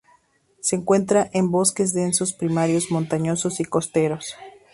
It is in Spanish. Se encuentra en bosques densos primarios montañosos y costeros.